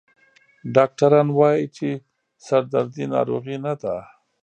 ډاکټران وایي چې سردردي ناروغي نه ده.